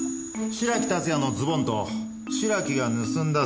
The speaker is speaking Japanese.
白木竜也のズボンと白木が盗んだ